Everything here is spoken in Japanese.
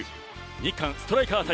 日韓ストライカー。